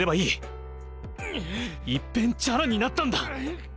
いっぺんチャラになったんだ！